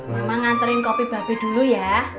mama nganterin kopi babe dulu ya